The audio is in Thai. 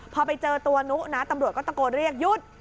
พอไปเจอตัวนุนะตำรวจก็ตะโกนเรียกหยุด